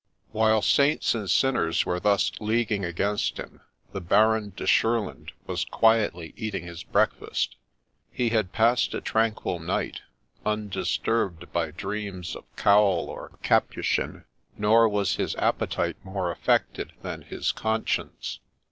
While saints and sinners were thus leaguing against him, the Baron de Shurland was quietly eating his breakfast. He had passed a tranquil night, undisturbed by dreams of cowl or capu chin ; nor was his appetite more affected than his conscience.